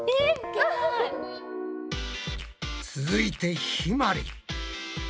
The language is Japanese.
続いてひまり。